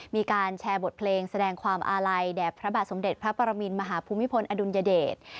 มีการแชร์บทเพลงแสดงความอาลัยแด่พระบาทสมเด็จพระปรมินมหาภูมิพลอดุลยเดช